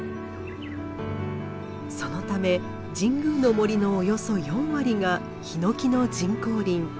そのため神宮の森のおよそ４割がヒノキの人工林。